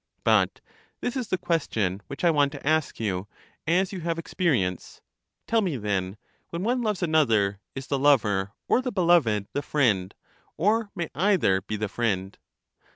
But this is the question which I want to ask you, as you have experience: tell me then, when one loves another, is the lover or the beloved the friend ; or may either be the friend